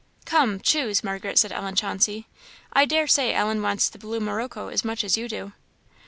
"Come, choose, Margaret," said Ellen Chauncey; "I dare say Ellen wants the blue morocco as much as you do."